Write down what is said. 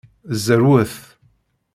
Zerwet.